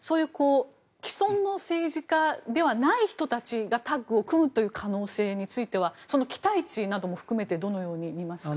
既存の政治家にはない人たちがタッグを組むという可能性についてはその期待値も含めてどのように見ますか？